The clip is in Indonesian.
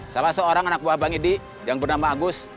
salah seorang anak buah bang edi yang bernama agus